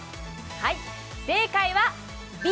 はい正解はＢ